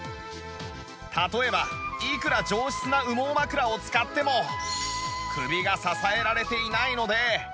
例えばいくら上質な羽毛枕を使っても首が支えられていないので